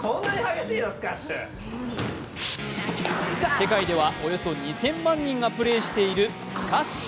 世界では、およそ２０００万人がプレーしているスカッシュ。